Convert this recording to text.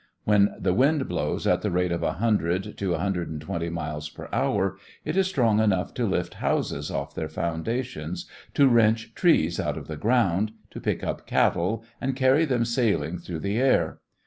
When the wind blows at the rate of 100 to 120 miles per hour, it is strong enough to lift houses off their foundations, to wrench trees out of the ground, to pick up cattle and carry them sailing through the air.